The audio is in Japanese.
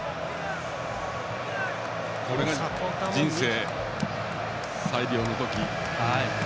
これぞ人生最良の時。